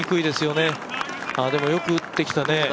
でもよく打ってきたね。